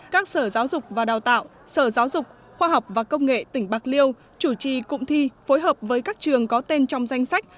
các sở giáo dục và đào tạo sở giáo dục khoa học và công nghệ tỉnh bạc liêu chủ trì cụm thi phối hợp với các trường có tên trong danh sách